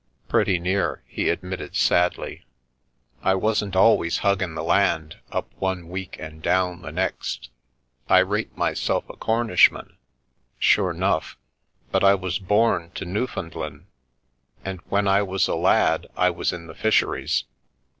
" Pretty near," he admitted sadly. " I wasn't always huggin' the land up one week and down the next. I rate myself a Cornishman, sure 'nough, but I was born to Newfoundland, and when I was a lad I was in the fisheries.